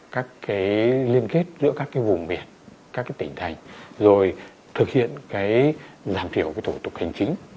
các cái liên kết giữa các cái vùng biển các cái tỉnh thành rồi thực hiện cái giảm thiểu thủ tục hành chính